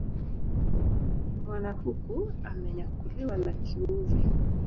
Mwanakuku amenyakuliwa na kiuvi